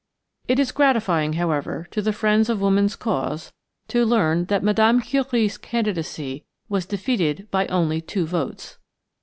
It is gratifying, however, to the friends of woman's cause to learn that Mme. Curie's candidacy was defeated by only two votes.